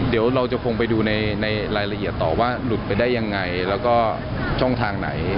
เดี๋ยวเราจะคงไปดูในรายละเอียดต่อว่าหลุดไปได้ยังไงแล้วก็ช่องทางไหน